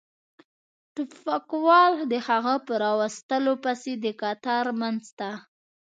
ټوپکوال د هغه په را وستلو پسې د قطار منځ ته.